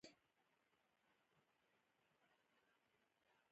وسله د یووالي پر ضد ده